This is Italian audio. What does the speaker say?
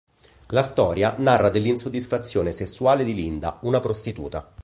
La storia narra dell'insoddisfazione sessuale di Linda, una prostituta.